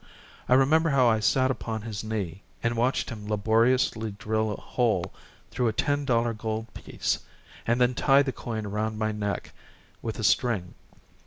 I remember how I sat upon his knee and watched him laboriously drill a hole through a ten dollar gold piece, and then tie the coin around my neck with a string.